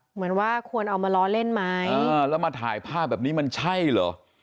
เหมือนว่าควรเอามาล้อเล่นไหมเออแล้วมาถ่ายภาพแบบนี้มันใช่เหรอ